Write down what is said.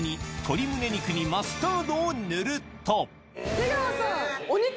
出川さん！